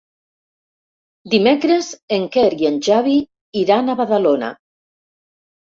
Dimecres en Quer i en Xavi iran a Badalona.